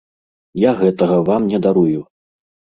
Я гэтага вам не дарую!